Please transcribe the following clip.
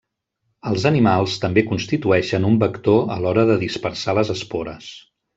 Els animals també constitueixen un vector a l'hora de dispersar les espores.